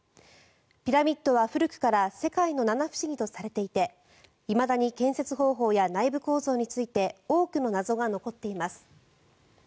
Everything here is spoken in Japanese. ピラミッドは古くから世界の七不思議とされていていまだに建設方法や内部構造について多くの謎が残っています。